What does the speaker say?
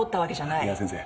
いや先生。